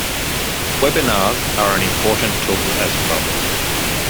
Webinars are an important tool as well.